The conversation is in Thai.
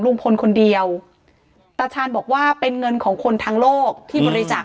ลุงพลคนเดียวตาชาญบอกว่าเป็นเงินของคนทางโลกที่บริจาค